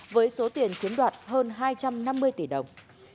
với số tiền chiếm đoạt hơn hai trăm năm mươi tỷ đồng